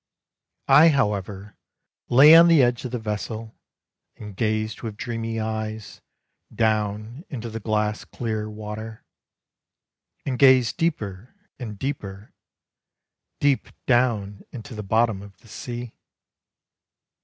I however lay on the edge of the vessel, And gazed with dreamy eyes Down into the glass clear water. And gazed deeper and deeper, Deep down into the bottom of the sea.